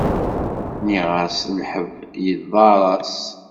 Nniɣ-as lḥeb yeḍar-as.